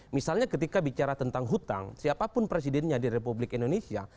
misalnya ketika bicara tentang hutang siapapun presidennya di republik indonesia